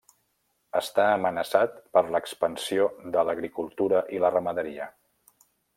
Està amenaçat per l'expansió de l'agricultura i la ramaderia.